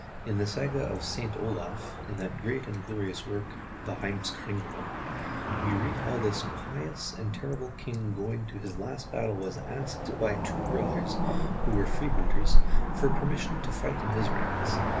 In the Saga of Saint Olaf (in that great and glorious work "The Heims kringla") we read how this pious and terrible king going to his last battle was asked by two brothers, who were freebooters, for permission to fight in his ranks.